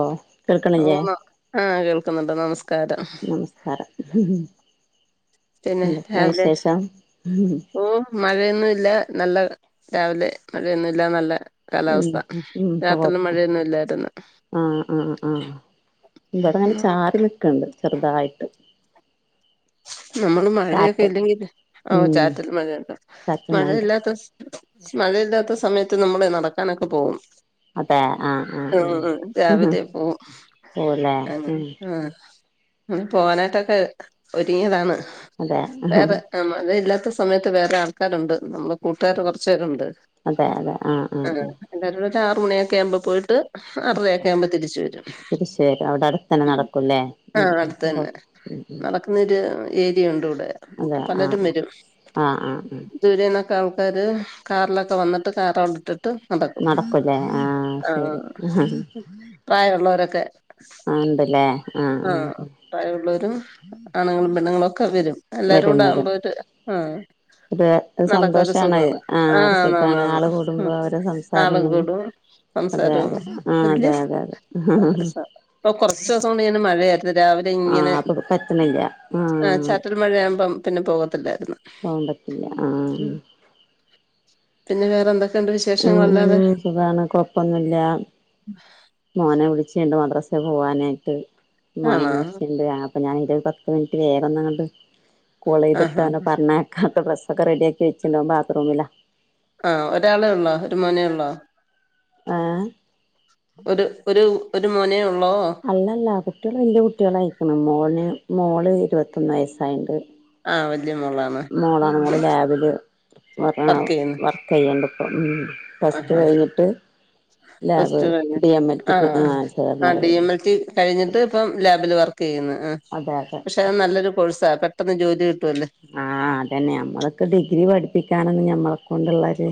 Law ഓ കേൾക്കണില്ലേ ആഹ് കേൾക്കുന്നുണ്ട് നമസ്കാരം നമസ്കാരം പിന്നെ എന്തൊക്കെ വിശേഷം മഴ ഒന്നും ഇല്ല നല്ല രാവിലെ മഴ ഒന്നും ഇല്ല നല്ല കാലാവസ്ഥ ഉം രാത്രിൽ മഴ ഒന്നും ഇല്ലാരുന്നു ഉം ഇവടെ നല്ല ചാറി നിക്കണ്ട് ചെറുതായിട്ട് നമ്മള് മഴയൊക്കെ ചാറ്റൽ ഇല്ലെങ്കില് ആഹ് ഉം ചാറ്റൽ മഴ ഉണ്ട് ചാറ്റൽ മഴണ്ട് മഴയില്ലാത്ത മഴ ഇല്ലാത്ത സമയത്ത് നമ്മള് നടക്കാന് ഒക്കെ പോകും ആഹ് രാവിലെ പോവും പോവുല്ലേ ആഹ് ഉം ഉം പോകാനായിട്ട് ഒക്കെ പിയതാണ് അല്ലെ എഹ് എഹ് ആഹ് മഴ ഇല്ലാത്ത സമയത്ത് വേറെ ആൾക്കാരുണ്ട് നമ്മ കൂട്ടുകാര് കൊറച്ച് പേര് ഒണ്ട് അതെ അതെ ആഹ് ആഹ് എല്ലാരുടെ ഒരു ആറു മണി ഒക്കെ ആകുമ്പോ പോയിട്ട് ഉം ആറരയൊക്കെ ആവുമ്പോ തിരിച്ചു വരും അത് ശരി അത് അവിടെ അടുത്തന്നെ ഉം നടക്കും ഇല്ലേ ഉം എന്തു ആട്ടെ ഉം ഉം ന്നോരു ഏരിയ ഒണ്ട് ഇവിടെ അതെ പലരും ആഹ് വരും ആഹ് ആഹ് ദൂരെന്ന് ഒക്കെ ആൾക്കാര് കാറില് ഒക്കെ വന്നിട്ട് കാറ് അവിട്ടി ട്ട് നടക്കും നടക്കൂല്ലേ ആഹ് ശരി ആഹ് പ്രായം ഒള്ളവര് ഒക്കെ ആഹ് ഉണ്ടല്ലേ ആഹ് പ്രായം ഒള്ളവരും ആണുങ്ങളും പെണ്ണുങ്ങളും ഒക്കെ വെരും എല്ലാരും വരും കുടെ വരും അവുമ്പോ ഒരു ആഹ് ഒരു നടക്ക ഒരു സന്തോഷാണ് സുഖം ആഹ് ഒരു ആന്ന് സുഖാണ് ആള് അന്ന് കൂടുമ്പോ ഓരോ സംസാരം ആളും ഞമ്മ കൂടും അതെ സംസാരവും അതെ ആഹ് അതെ ഉൽഡിഫ് അതെ അതെ ഇപ്പ കൊറച്ച് ദിവസം കൊണ്ട് ഇങ്ങനെ മഴയാ ഇന്ന് രാവിലെ ഇങ്ങനെ ആഹ് അപ്പൊ പറ്റണില്ല ആഹ് ചാറ്റല് മഴയാവുമ്പം പിന്നെ പോകത്ത് ഇല്ലായിരുന്നു പോകത്തില്ല ആഹ് ഉം പിന്നെ വേറെ എന്താ ഉം സുഖാണ് കൊഴപ്പം ഒന്നും ഇല്ല മോനെ വിളിച്ചില്ല മദ്രസേ പോവാനായിട്ട് മോന് ആണോ എനീച്ച് ഇല്ല അപ്പൊ ഞാൻ ഒരു പത്ത് മിനിറ്റ് വേറെ എന്തെങ്കിലും കോൾ ആഹാ ചെയ്തിട്ടാ എന്ന് പറഞ്ഞാ ക ഇപ്പ ട്രസ്സ് ഓക്കെ റെഡിയാക്കി വെച്ച് ഇരുന്നോ ബാത്റൂമില ആഹ് ഒരാളേ ഒള്ളാ ഒരു മോനേ ഒള്ളാ ഏഹ് ഒരു ഒരു ഒരു മോനേ ഒള്ളോ അല്ലല്ല കുട്ടികള് വലിയ കുട്ടികള് ആയിരിക്കുന്നു മോന് മോള് ഇരുവതൊന്ന് വയസ്സായിട്ട് ആഹ് വല്യ മോളാ മോളാണ് മോള് ലാബില് ആഹാ വർക്ക് ചെയ്യുന്നു വർക്ക് ചെയ്യണ്ട്‌ ഇപ്പ ഉം ഉം പ്ലസ് ടു ആഹാ കഴിഞ്ഞിട്ട് പ്ലസ് ലാബ് ടു കഴിഞ്ഞു ഡി എം എൽ ക്ക് ആഹ് ചേർന്നത് ആഹ് ഡി എം ആയിരുന്നു എൽ ടി കഴിഞ്ഞിട്ട് ഇപ്പം ലാബില് വർക്ക് ചെയ്യുന്നു ആഹ് അതെ അതെ പക്ഷെ നല്ലൊരു കോഴ്സാ പെട്ടെന്ന് ജോലി കിട്ടുല്ലേ ആഹ് അതന്നെ ഞമ്മളെ ഒക്കെ ഡിഗ്രി പഠിപ്പിക്കാൻ നമ്മളെ കൊണ്ടുള്ള ഒരു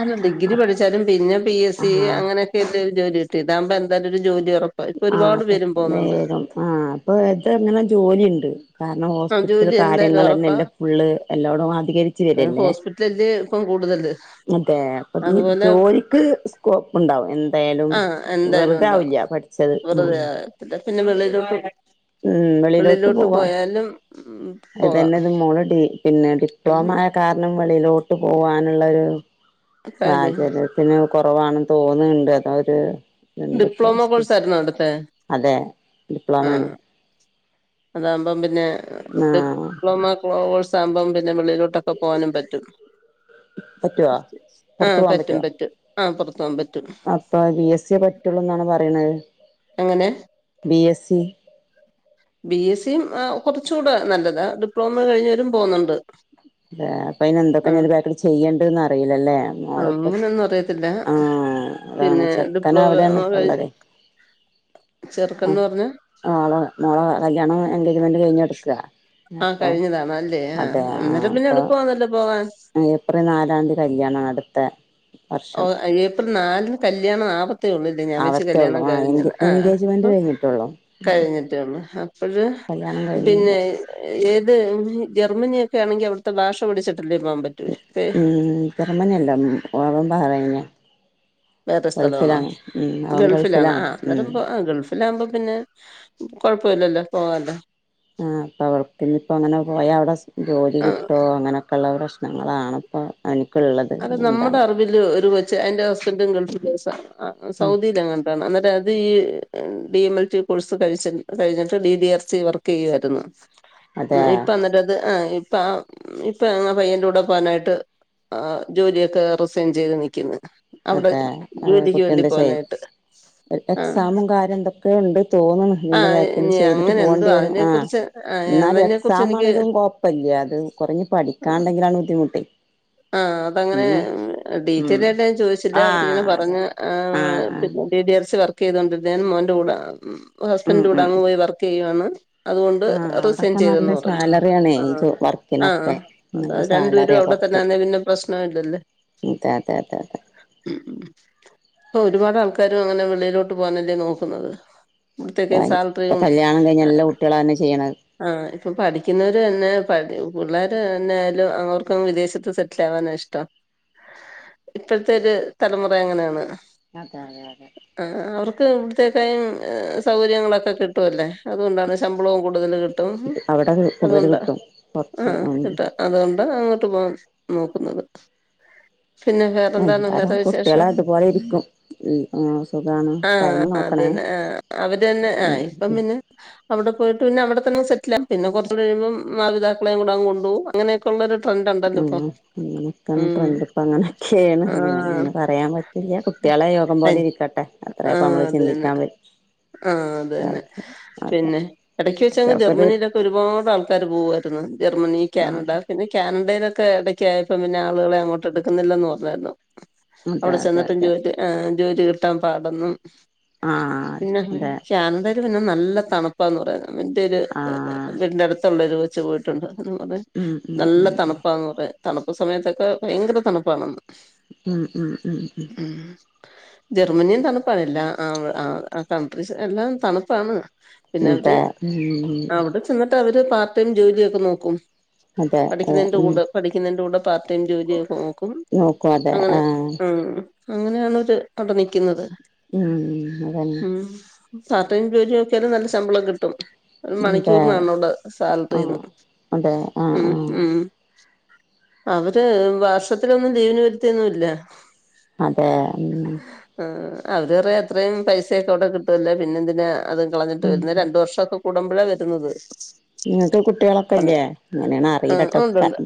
അല്ല ഡിഗ്രി പഠിച്ചാലും പിന്നെ പി എസ് സി ആഹ് അങ്ങനെ ഒക്കെ എന്തായലും ഒരു ജോലി കിട്ടും ഇതാവുമ്പോ എന്തായാലും ഒരു ജോലി ഉറപ്പ ആഹ് പെട്ട വേഗം ആഹ് അപ്പൊ ഇത് എങ്ങനെ ജോലി എണ്ട് കാരണം ആഹ് ഹോസ്പിറ്റലിൽ ജോലി എന്തായാലും കാര്യങ്ങള് എന്ന് ഉറപ്പാ എല്ലാം ഫുള്ള് എല്ലോടും അധികരിച്ചു വരല്ലേ ലേല്ലേ ഇപ്പം കൂടുതല് അതെ അപ്പ പിന്നെ അതുപോലെ ജോലിക്ക് സ്കോപ്പ് ഒണ്ടാവും എന്തായാലും ആഹ് എന്തായാലും ഉണ്ടാവും വെറുതാവില്ല പഠിച്ച വെറുതെ പിന്നെ വെളിലോട്ട് ഉം വെളിലോട്ട് പോയാലും. ഉം അത് പോകാം തന്നെ ഇത് മോളടി. പിന്നെ ഡിപ്ലോമ ഉം ആയ കാരണം വെളിലോട്ട് പോവാനുള്ള ഒരു കാര്യം സാചര്യം പിന്നെ കൊറവ് ആണ് എന്ന് തോന്നണ് ഒണ്ട് അത് ഒര്. ഡിപ്ലോമ കോഴ്സ് ആയിരിന്നോ അവിടുത്തെ. അതെ ഡിപ്ലോമ ആണ് അതാകുമ്പം പിന്നെ ഡിപ്ലോമ കോഴ്സ് ആകുമ്പം പിന്നെ വിെളിലോട്ട് ഒക്കെ പോകാനും പറ്റും പറ്റുവോ പുറത്തു ആഹ് പോകാൻ പറ്റും പറ്റുവോ പറ്റും ആഹ് പുറത്ത് പോവാൻ പറ്റും. അപ്പൊ ബി എസ് സിയെ പറ്റുള്ളൂ എന്നാണ് പറയിണത്. അങ്ങനെ ബീ എസ് ഇ ബി എസിയും ആ കൊറച്ചുടെ നല്ലതാ ഡിപ്ലോമ കഴിഞ്ഞവരും പോകുന്നുണ്ട്. ആ അപ്പൊ അന് എന്തൊക്കെ ഞന് ആഹ് ഒരു ബാക്കില് ചെയ്യണ്ടന്ന് അറിയില്ലല്ലേ. മോള് ഇപ്പ ചെ അങ്ങനൊന്നും അറിയത്തില്ല ആ അതാണ് ചെക്കന അവിടെയാണ് ഇപ്പ ഉള്ളതെ. ചെറുക്കൻന്ന് പറഞ്ഞ. ഒളെ മോളെ കല്യാണം എൻഗേജ്മെന്റ് കഴിഞ്ഞഞ് എടുക്ക. ആഹ് കഴിഞ്ഞതാണ് അല്ലേ ആ അന്നേരം പിന്നെ അപ്പൊ എളുപ്പമാന്നല്ലോ പോകാൻ. ഏപ്രിൽ നാലാം തീയതി കല്യാണം. അടുത്തെ ഓ ഏപ്രിൽ നാലിന് കല്യാണം അപത്തെ ഒള്ള് ഇ ആ ഞാൻ വെച്ച് ആവത്തേ ഒള്ളൂ കല്യാണം ആഹ് എൻഗേ കഴിഞ്ഞന്ന്. ആ അപ്പൊ എൻഗേജ്മെന്റ് കഴിഞ്ഞിട്ടൊള്ളൂ കഴിഞ്ഞിട്ടെള്ളൂ. ഒരു കല്യാണം പിന്നെ കഴിഞ്ഞില്ല ഏത് ജർമ്മനിയൊക്കെ ആണെങ്കി അവിടുത്തെ ഭാഷ പിടിച്ചിട്ടില്ലേ പോകാൻ പറ്റു. ഉംജർമ്മനി അല്ല ഓവൻ ബഹറിനിയ. വേറെ സ്ഥല ആണോ ഗൾഫിലാണ്. ആ അനേരമ്പോ ആ ഗൾഫ്. അല്ല ആകുമ്പോ പിന്നെ കൊഴപ്പ ഇല്ലല്ലോ പോകൻ. ആഹ് അപ്പൊ അവർക്ക് ഇനിയിപ്പോ അങ്ങനെ പോയാ അവിടെ സ് ജോലി കിട്ടോ അങ്ങനൊക്കെയള്ള ഓരോ ഞങ്ങളെ ആണത്തം അനിക്കുള്ളത്. അത് നമ്മുടെ അറിവില് ഒരു കൊച്ച് അയിന്റെ ഹസ്ബൻഡും ഗൾഫിനേഴ്സ സൗ ഉം സൗദിയിലെങ്ങാണ്ട്. അതാണ് അന്നേരം അത് ഈ D M L T course കഴിച്ച് കഴിഞ്ഞിട്ട് ഡി ഡിആർ സി വർക്ക് ചെയ്യുആയിരുന്നു. അതെ ഉം ഇപ്പ അന്നിട്ട അത് ആഹ് ഇപ്പ ഇപ്പ ആ പയ്യന്റെ കൂടെ പോവാനായിട്ട്. ആ ജോലിയൊക്കെ റിസൈൻ ചെയ്ത് നിക്കുന്നു. അവിടെ അതെ ജോലിക്ക് വേണ്ടി പോവനായിട്ട്. എ എക്സാമും കാര്യം എന്തൊക്കെയ് ഉണ്ട് തോന്നുന്നു. ആ ഇതിന്റെ ബാക്കിൽ ഇനി ചെയ്തിട്ട് അങ്ങനെ എന്തോ പോകേണ്ടി വരും. അതിനെ ആ കുറിച്ച് ആ എന്നാലും അതിനെ കുറിച്ച് എക്സാമ് എനിക്ക് ആണെകിലും കൊഴപ്പംഇല്ല അത് കൊറഞ്ഞ് പഠിക്കാണ്ടെങ്കിലാണ് ബുദ്ധിമുട്ട്. ആ അതങ്ങനെ ഇനിയും ഉം ഡീറ്റെയിൽ ആയിട്ട് ഞാൻ ചോദിച്ചില്ല. ആ അവരിങ്ങനെ അതെ പറഞ്ഞ് ആ പിന്നെ P G F C work ചെയ്ത് കൊണ്ടിരുന്നതാന്ന് മോന്റെ കൂടെ ആ ഉം ഹസ്ബൻറിന്റെ കൂടെ ഉം അങ്ങ് പോയി വർക്ക് ചെയ്യുവാണ്. അതുകൊണ്ട് ആ റിസൈൻ അവിടൊക്കെ നല്ല ചെയ്തെന്ന് പറഞ്ഞ്. സാലറിയാണേ ഈ ആ ആഹ് വർക്കിനൊക്കെ നല്ല രണ്ട്പേരും സാലറിയാ അവിടെ പുറത്ത് തന്നാനെ പിന്നെപ്രശ്നോ ഇല്ലല്ലേ. അതെ അതെ അതെ അതെ ഉം ഉ ഇപ്പൊ ഒരുപാട് ആൾക്കാരും അങ്ങനെ വെളിയിലോട്ട് പോകാനല്ലേ നോക്കുന്നത്. ഇപ്പൊ തെരിയസാലറിയും കല്യാണം കഴിഞ്ഞ എല്ലാ കുട്ടികളും അതന്നെ ചെയ്യണത് ആഹ് ഇപ്പം പഠിക്കുന്നവര് തന്നെ പഠി പുള്ളാര് തന്നെ ആയാലും അവർക്കും വിദേശ ത്ത് സെറ്റിൽ ആവാനാ ഇഷ്ടം ഇപ്പോഴത്തെ ഒരു തലമുറ അങ്ങനെയാണ്. അതാണ് അതെ അതെ ആ അവർക്ക് ഇവിടത്തേക്കായും സൗകര്യങ്ങളൊക്കെ കിട്ടുംല്ലേ അതുകൊണ്ടാണ് ശമ്പളവും കൂടുതൽ കിട്ടും. അവിടെ കൂടുതൽ അതുകൊണ്ടാ കിട്ടും ആ പുറത്ത് ഉം കിട്ടാ അതുകൊണ്ട് അങ്ങോട്ട് പോവാൻ നോക്കുന്നത് പിന്നെല്ലാ എന്താലും കുട്ടികളെ അതുപോലെ ഇരിക്കും ഉം ആഹ് സുഖാണ് ആഹ് ടൈം നോക്കണേ അതന്നെ ആഹ് അവര് തന്നെ ആഹ് ഉം ഇപ്പം പിന്നെ അവിടെ പോയിട്ട് പിന്നെ അവിടെ തന്നെ സെറ്റില പിന്നെ കൊറച്ച് കഴിയുമ്പം മാതാപിതാക്കളെയും കൂടെ അങ്ങ് കൊണ്ടുവും അങ്ങനൊഒക്കെയുള്ള ഒരു ട്രെൻ് ഉണ്ടല്ലോ ഇപ്പൊ ഉം ഉം ട്രെൻ് ഇപ്പ അങ്ങനെയൊക്കെയാണ് പിന്നെ ആഹ് എങ്ങനെന്ന് പറയാൻ പറ്റില്ല കുട്ടികളെ യോഗം പോലെ ഇരിക്കട്ടെ അത്രയപ്പ ആഹ് നമ്മള് അത് തന്നെ ചിന്തിക്കാൻ പ ആഹ് അത് തന്നെ പിന്നെ എടക്ക് വെച്ചങ് കുട്ടികൾക്കൊരു ജർമ്മനിയിലൊക്കെ ഒരുപാട് ആൾക്കാര് പോവ ട്ടിന്ന് ജർമ്മനി ആ കെനഡ പിന്നെ കാനഡയിലൊക്കെ ഇടക്കായപ്പോ പിന്നെ ആളുകളെ അങ്ങോട്ട് എടുക്കുന്നില്ലന്ന് പറഞ്ഞായിരുന്നു അതെ അവിടെ അതെ ചെന്ന്ട്ടും അതെ ജോലി ആഹ് ജോലി കിട്ടാൻ പാടന്നും ആ പിന്നെ അതെ കാനഡയിൽ പിന്നെ നല്ല തണുപ്പാന്ന് പറയുന്നത് ന്റെഒരു ആ വീടിന്റെ അടുത്തുള്ളരു കൊച്ച് പോയിട്ടുണ്ട് അത ഉം ഉം നല്ല ഉം ഉം തണുപ്പാ പറ തണുപ്പ് സമയത്തൊക്കെ ഭയങ്കര തണുപ്പാണന്ന് ഉം ഉം ഉം ഉം ഉം ജർമ്മനിയും തണുപ്പാണ് എല്ലാ ആഹ് ആഹ് ആഹ് കൺട്രീസ് എല്ലാം തണുപ്പാണ് പിന്നെ ഉം അവര് അതെ ഉം അവിടെ ചെന്നിട്ട് അവര് പാർട്ടൈം ജോലിയൊക്കെ നോക്കും അതെ അതെ പഠിക്കുന്നതിന്റെ ഉം കൂടെ പഠി പിന്നെന്റെകൂടെ പാർ് ടൈം ജോലിയ ഒക്കെ നോക്കും നോക്കും അതെ അങ്ങനെ ആ ഉം അങ്ങനെയാണഅവര് അവിട നിക്കുന്നത് ഉം അതന്നെ ഉം പാർടൈയും ജോലിയനോക്കിയാലും നല്ല ശമ്പളം കിട്ടും അതെ മണിക്കൂറിനാണോവിടെ ആ സാലറിന്ന് അതെ ആ ഉം ആ ഉം അവര് വർഷത്തിലൊന്നും ലീവിന് വരത്തിയൊന്നുല്ല അതെ ഉം ആഹ് അവര് പറ അത്രയും പൈസയൊക്കെ അവിടെ കിട്ടുവല്ല പിന്നെന്തിന അതും കളഞ്ഞിട്ട് വര രണ്ടു വർഷക്കും കുടമ്പഴ വരുന്നത് നിങ്ങക്ക് പണി കുട്ടികളൊക്കെല്ലേ അങ്ങനെയണ ആ അറിയിലട്ടോ ഉണ്ടുണ്ട്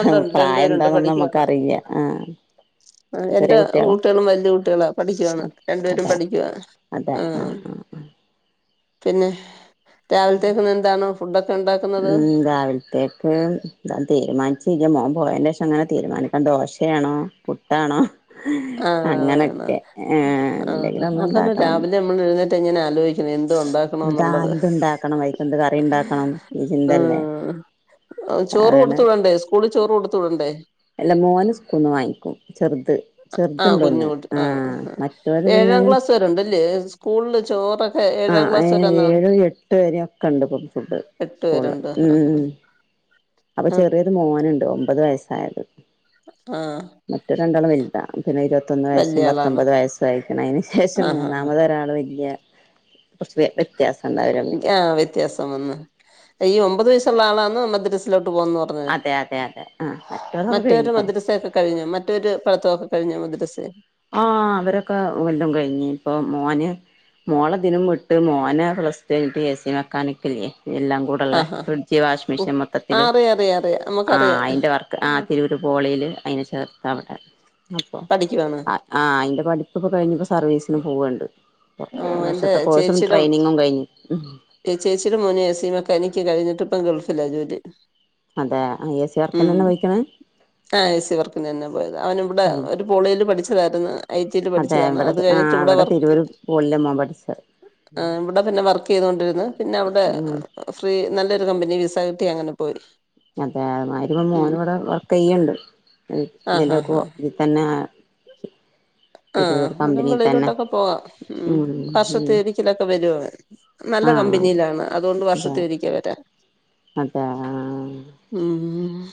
ഉണ്ടുണ്ട് പ്രായം രണ്ടുപേരുണ്ട് എന്താന്നൊന്നും നമ്മക്ക്അ റീയില്ല ആഹ് ആഹ് എന്റെ കുട്ടികളും വലിയ കുട്ടികളാ പഠിക്കുവയാണ് രണ്ടു പേരും അതെ പഠിക്കുവ അതെ ആ ആഹ് ആ പിന്നെ രാവിലത്തേക്കന്ന് എന്താണോ ഫുഡ ഒക്കെ ഉണ്ടാക്കുന്നത് ഉം രാവിലത്തേക്ക് ഞാൻ തീരുമാനിച്ചില്ല മോം പോയന്റെ ശേഷം അങ്ങനെ തീരുമാനിക്കാൻ ദോശയണോ പുട്ടാണോ ആഹ് വേണ അങ്ങനെയൊക്കെ ഏ ആഹ് എന്തെങ്കിലൊന്ന് അതാണ് ഇണ്ടാക്കണം രാവിലെ എഴുന്നേറ്റ് കഴിഞ്ഞാ ആലോയി ഇനി എന്തോ ഉണ്ടാക്കണ എന്താ എന്നുള്ളത് എന്തുണ്ടാക്കണം അയിക്കെന്ത് കറി ഉണ്ടാക്കണം ഈ ചിന്തല്ലേ ആഹ് ചോറ് രാവിലെണ് കൊടുത്ത് വിടണ്ടേ സ്കൂളി ചോറ് കൊടുത്ത് വിടണ്ടേ അല്ല മോന് സ്കൂന്ന് വാങ്ങിക്കും ചെറ്ത് ആഹ് കുഞ്ഞുകുട്ടി ആഹ് മറ്റോര് പിന്നെ ഏഴാം ക്ലാസ് വരെണ്ടല്ലേ സ്കൂളില് ചോറ ഏ ഏഴാം ആഹ് ക്ലാസ് വരെന്ന ഏഴ് എട്ട് വരെയൊക്കെ ഉണ്ട് ഇപ്പം ഫുഡ് എട്ടു സ്കൂളില് വരുണ്ട് ആഹ് ആഹ് ഉം അപ്പൊ ചെറിയരു മോന്ണ്ട് ഒമ്പത് വയസായത് ആഹ് മറ്റ രണ്ടാളും വല്ത പിന്നെ ഇരുപ പത്തൊന്ന് വയസും വല്യ ആളാണ് പത്തൊമ്പത് വയസ്സും ആയിരിക്കണം അയിന് ശേഷം ആഹ് ആഹ് മൂന്നാമത് ഒരാള് വല്യ കുറച്ച് വ്യത്യാസം ഉണ്ടാവരമ്മില്. ആഹ് വ്യത്യാസം വന്ന് ഈ ഒമ്പത് വയസുള്ള ആളാണമദ്രസിലോട്ട പോകുന്നറ അതെ, അതെ, അതെ ആ മറ്റേത് അത് കഴിഞ്ഞ താ. കഴിഞ്ഞു മറ്റൊരു പഠിത്തോക്കെ കഴിഞ്ഞോ മദ്രസെ. ആഹ് അവരൊക്കെ വല്ലും കഴിഞ്ഞ് ഇപ്പൊ മോന് മോളെദിനും വിട്ട് മോനെ പ്ലസ്റ്റു കഴിഞ്ഞിട്ട് എ സി മെക്കാനിക്കില്ലേ എല്ലാം കൂടുള്ള ആഹ് ഫ്രിഡ്ജ് വാഷി ഓ മെഷീൻ ആ മൊത്തത്തില് അറിയാം അറിയാം അറിയാം ആ നമുക്കറിയാം അയിൻ്റെ വർക്ക് ആ ഉം. തിരൂർ പോളില് അതിനെ ചേർത്ത അവിടെ അപ്പോ ക്കുവാണ്. ആഹ് അയിന്റെ പഠിപ്പ്പ്പ കഴിഞ്ഞപ്പോ സർവീസിന് പോവുണ്ട്. ആ എന്റെ വർഷത്തെ കോഴ്സും ട്രെയിനിങ്ങും കഴിഞ്ഞു. ചേച്ചിടെ മോന് എ സി മെക്കാനിക്ക് കഴിഞ്ഞിട്ട് ഇപ്പം ഗൾഫിലാ ജോലി. അതെ എ സി ഉം വർക്കിനന്നെ പോയിക്ക്ണ് ആ എ സി വർക്കിനന്നാ പോയത് അവന് ഇവിടെ പോളിൽ പഠിച്ചതായിരുന്നു ഐ ടിയിൽ അതെ പഠിച്ചതാണ് ഇവിടെ അത് കഴിഞ്ഞിട്ട് ആഹ് ഇവിടെ വർക്ക്. തിരൂര് പോളില മോൻ പഠിച്ചത് ആ ഇവിടെ പിന്നെ വർക്ക് ചെയ്തൊണ്ടിര്ന്ന് പിന്നെ അവിടെ ഉം ഫ്രീ നല്ലൊരു കമ്പനി വിസ കിട്ടി അങ്ങനെ പോയി. അതെ അമാതിരി ഉം മോന്ടെ വർക്ക് ചെയ്യണ്ട് ആ ഹാ ഇതിന്റെക്ക ഹാ ഇ പിന്നെ ആഹ് അനും വെളിലോട്ടൊക്കെ പോവാം ഉം വർഷത്തേരി ത്തിലൊക്കെ വരുവവൻ നല്ല ആഹ് കമ്പനിയിലാണ് അതുകൊണ്ട് വർഷത്തി ഇരിക്ക വരാൻ അതാ ആ ഉം ഉ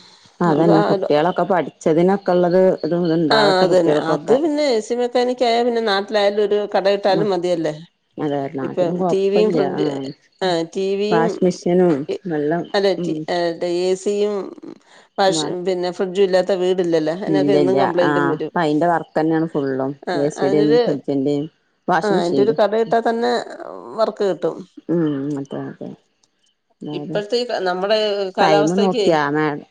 അതന്നെ കുട്ടികളൊക്കെ പഠിച്ചതിനൊക്കെള്ളത് ഇതും ഇത് ഇണ്ടാവട്ടെ കുട്ട്യൾക്കൊക്കെ. ക്കെ എനിക്ക പിന്നെ നാട്ടിലായാലും ഒരു ഉം കടഇട്ടാലും മതിയല്ലേ. അതെ ഇപ്പൊ നാട്ടിലും ടിവിയും, കൊഴപ്പില്ല ഫ്രിഡ്ജ് ആഹ് ആ ടിവിയും വാഷ് മെഷീനും വെള്ളം അല്ലെ ടി ഉം എസിയും വാ പശ് പിന്നെ ഫ്രിഡ്ജ് ഇല്ലാത്ത വീടില്ലല്ലേ അതിനൊക്കെ ഇല്ല എന്നും ഇല്ല കംപ്ലയിന്റും ആഹ് വരും. അപ്പ അയിന്റെ വർക്ക് തന്നെയാണ് ഫുള്ളും. ആ എസിയുടെയും അതിനൊരു ഫ്രിഡ്ജിന്റെയും ആ വാഷിംങ് അതിന്റെ ഒരു മെഷീന്റേം. കടയിട്ടാ തന്നെ വർക്ക് ഉം അതെ, അതെ. അതെ ഇപ്പഴത്തെ ഈ നമ്മുടെ ടൈം കാലാവസ്ഥക്കെ നോക്കിയാ മാഡം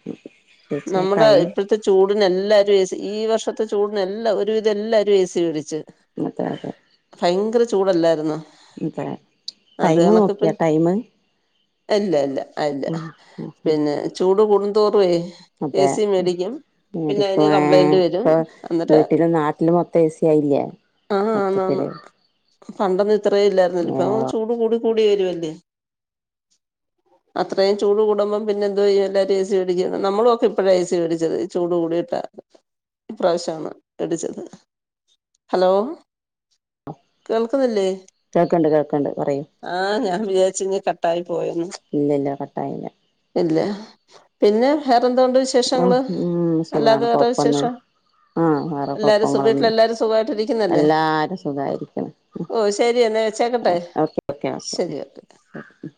ചോദിച്ചേ നമ്മുടെ ടൈം ഇപ്പഴ ത്തെ ചൂടന് എല്ലാരും ഏ സി ഈ വർഷത്തെ ചൂടിന എല്ലാ ഒരുവിധം എല്ലാരും ഏ സി വേടിച്ച്. അതെ, അതെ. ഭയങ്കര ചൂടല്ലാരുന്നോ. അത ടൈമ് നോക്കിയാ ടൈമ്. എല്ല എല്ല അല്ല ഉം ഉം ഉം പിന്നെ ചൂട് കൂടുംന്തോറുവേ അതെ എടിപ്പ ഏ കംപ്ലൈന്റ് വരും ഇപ്പൊ എന്നിട്ട് വീട്ടിലും നാട്ടിലും ഒ തെസ്യ ആയില്ലേ. ആഹ് ആന്നാന്ന് മൊത്തത്തില് പണ്ടൊന്നും ഇത്രേ ഇല്ലായിരുന്നില്ല ഇപ്പ ഏഹ് ചൂട് കൂടി കൂടി വരുവല്ലേ. അത്രയും ചൂട് കൂടുമ്പം പിന്നെന്തു ചെയ്യും എല്ലാരും ഏസിടിക്കെണ് നമ്മളുക്കെ ഇപ്പഴ ഏസി മേടിച്ചത്. ചൂട് കൂടിയിട്ടാ ഇപ്രാവശ്യാണ് ഇടിച്ചത്. ഹലോ കേൾക്കുന്നില്ലേ? കേൾക്കണ്ട് കേൾക്കണ്ട് പറയൂ. ആഹ് ഞാൻ വിചാരിച്ചഞ്ഞ് കട്ടായി പോയന്ന് ഇല്ല ഇല്ല കട്ടായില്ല ഇല്ല പിന്നെ വേറെന്തുണ്ട് ആഹ് വിശേഷങ്ങള് ഉം അല്ലാതെ സുഖാണ് വേറെ കൊഴപ്പൊന്നും വിശേഷം ആഹ് വേറെ എല്ലാരും സു വീട്ടില് കൊഴപ്പങ്ങളൊന്നും എല്ലാരും സുഖായിട്ട് ഇരിക്കുന്നല്ലേ എല്ലാരും സുഖായിരിക്കണ് ഓ ശരിയ എന്നാ വെച്ചേക്കട്ടെ ശരി ഓക്കെ ആ ഉ